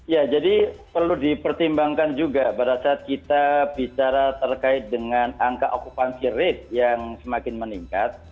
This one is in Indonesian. ya jadi perlu dipertimbangkan juga pada saat kita bicara terkait dengan angka okupansi rate yang semakin meningkat